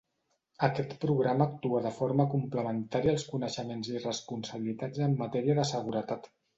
Aquest programa actua de forma complementària als coneixements i responsabilitats en matèria de Seguretat.